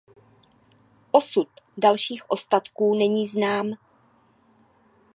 Osud dalších ostatků není znám.